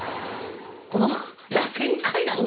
この。